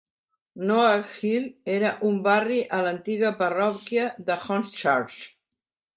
Noak Hill era un barri a l'antiga parròquia de Hornchurch.